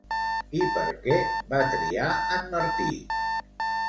I per què va triar en Martí?